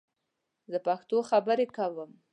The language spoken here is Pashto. زه پښتو خبرې کوم